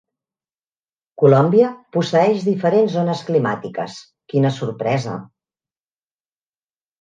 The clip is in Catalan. Colòmbia posseeix diferents zones climàtiques, quina sorpresa.